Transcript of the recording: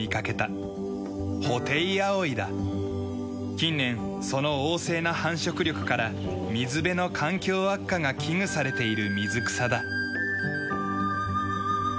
近年その旺盛な繁殖力から水辺の環境悪化が危惧されている水草だ。